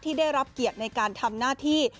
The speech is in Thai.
ได้รับเกียรติในการทำหน้าที่